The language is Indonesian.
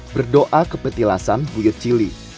berdoa ke petilasan buyut cili